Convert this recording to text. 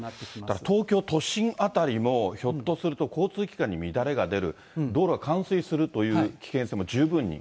だから東京都心辺りもひょっとすると交通機関に乱れが出る、道路が冠水するという危険性も十分に。